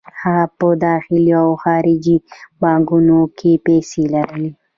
هغه په داخلي او خارجي بانکونو کې پیسې لري